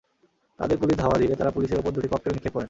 তাঁদের পুলিশ ধাওয়া দিলে তাঁরা পুলিশের ওপর দুটি ককটেল নিক্ষেপ করেন।